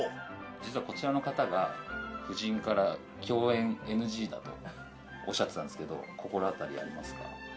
実はこちらの方がとおっしゃってたんですけど心当たりありますか？